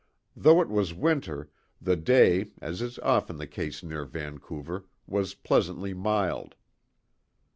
Though it was winter, the day, as is often the case near Vancouver, was pleasantly mild.